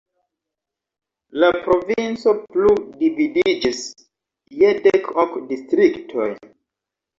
La provinco plu dividiĝis je dek ok distriktoj.